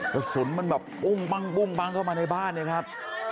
กระสุนมันแบบอุ้งปั้งเข้ามาในบ้านเนี่ยครับ